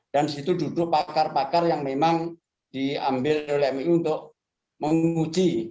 dan di situ duduk pakar pakar yang memang diambil oleh mim untuk menguji